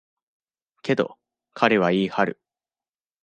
けど、彼は言い張る。